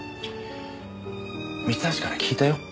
三橋から聞いたよ。